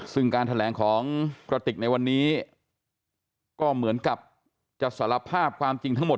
ซึ่งการแถลงของกระติกในวันนี้ก็เหมือนกับจะสารภาพความจริงทั้งหมด